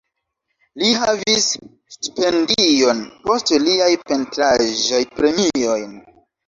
Li havis stipendion, poste liaj pentraĵoj premiojn.